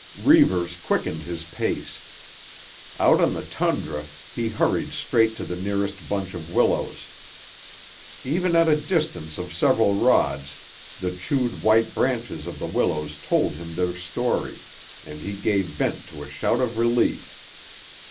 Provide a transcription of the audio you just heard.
Reivers quickened his pace. Out on the tundra he hurried straight to the nearest bunch of willows. Even at a distance of several rods the chewed white branches of the willows told him their story, and he gave vent to a shout of relief.